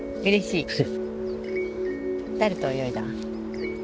うれしい。